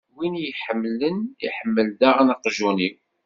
Win i y-iḥemmlen, iḥemmel daɣen aqjun-iw.